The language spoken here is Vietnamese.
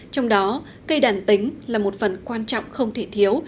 trong đó cây đàn tính là một phần quan trọng không thể thiếu